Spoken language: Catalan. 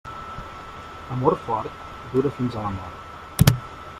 Amor fort dura fins a la mort.